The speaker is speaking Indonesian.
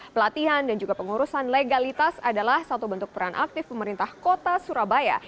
pelatihan dan juga pengurusan legalitas adalah satu bentuk peran aktif pemerintah kota surabaya